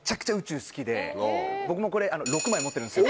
僕もこれ６枚持ってるんです。